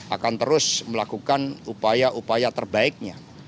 akan terus melakukan upaya upaya terbaiknya